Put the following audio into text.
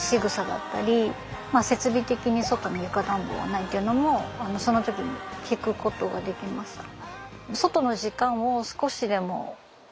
まあ設備的に外に床暖房はないっていうのもその時に聞くことができました。